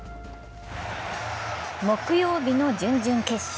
木曜日の準々決勝。